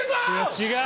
違う！